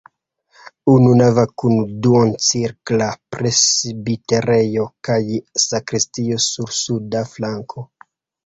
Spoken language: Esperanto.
Ununava kun duoncirkla presbiterejo kaj sakristio sur suda flanko.